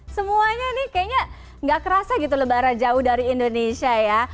semuanya nih kayaknya gak kerasa gitu lebaran jauh dari indonesia ya